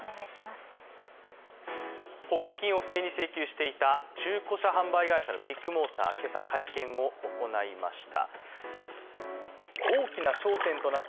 保険金を不正に請求していた中古車販売会社のビッグモーター、今朝、会見を行いました。